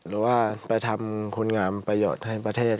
หรือว่าไปทำคุณงามประโยชน์ให้ประเทศ